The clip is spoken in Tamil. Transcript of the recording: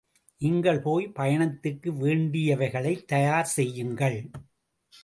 நீங்கள் போய் பயணத்துக்கு வேண்டியவைகளை தயார் செய்யுங்கள்.